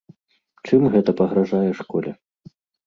Чым гэта пагражае школе?